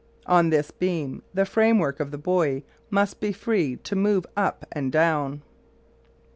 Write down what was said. On this beam the framework of the buoy must be free to move up and down.